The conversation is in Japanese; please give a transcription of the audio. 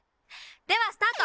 ではスタート！